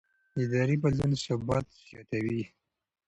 اداري بدلون ثبات زیاتوي